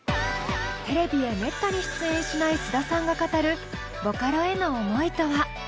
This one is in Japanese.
テレビへめったに出演しない須田さんが語るボカロへの思いとは？